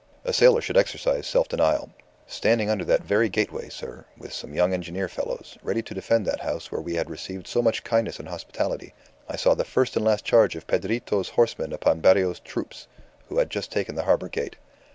A sailor should exercise self denial. Standing under that very gateway, sir, with some young engineer fellows, ready to defend that house where we had received so much kindness and hospitality, I saw the first and last charge of Pedrito's horsemen upon Barrios's troops, who had just taken the Harbour Gate.